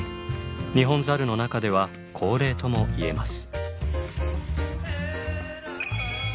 ニホンザルの中では高齢とも言えます。